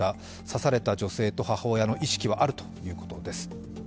刺された女性と母親の意識はあるということです。